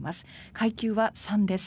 階級は３です。